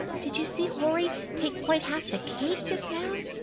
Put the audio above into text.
'Did you see Horry take quite half the cake, just now?'